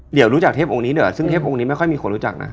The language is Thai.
เดี๋ยวรู้จักเทพองค์นี้เดี๋ยวซึ่งเทพองค์นี้ไม่ค่อยมีคนรู้จักนะ